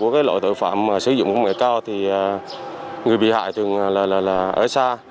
nhưng đối với đội tội phạm sử dụng công nghệ cao thì người bị hại thường ở xa